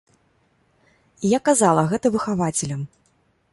І я казала гэта выхавацелям.